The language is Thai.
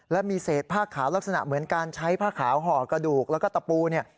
และมีเศษผ้าขาวลักษณะเหมือนการใช้ผ้าขาวห่อกระดูกแล้วก็ตะปูเนี่ย